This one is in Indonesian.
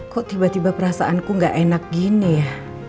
kok tiba tiba perasaanku gak enak gini ya